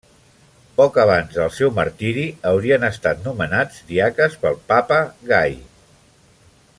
Poc abans del seu martiri haurien estat nomenats diaques pel papa Gai.